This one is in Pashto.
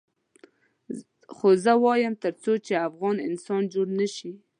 خو زه وایم تر څو چې افغان انسان جوړ نه شي.